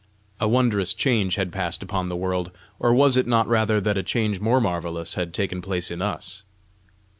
A wondrous change had passed upon the world or was it not rather that a change more marvellous had taken place in us?